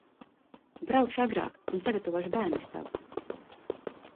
Braukšu agrāk un sagatavošu bērnistabu.